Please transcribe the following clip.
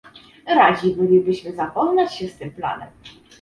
Radzi bylibyśmy zapoznać się z tym planem